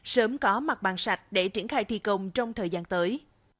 sớm có mặt bàn sạch để triển khai thi công trong thời gian tới